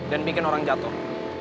dan bikin orang jatuh